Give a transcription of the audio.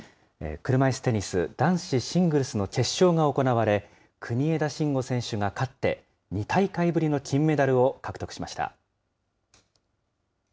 車いすテニス男子シングルスの決勝が行われ、国枝慎吾選手が勝って、２大会ぶりの金メダルを獲得しました。